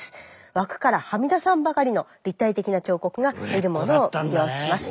枠からはみ出さんばかりの立体的な彫刻が見る者を魅了します。